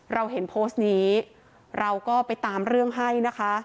เราเห็นโพสต์นี้เราก็ไปตามเรื่องให้นะคะ